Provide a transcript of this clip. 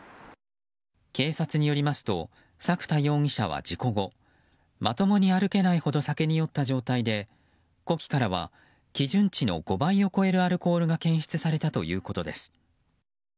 警察によりますと作田容疑者は事故後まともに歩けないほど酒に酔った状態で呼気からは基準値の５倍を超えるアルコールが検出されたということです。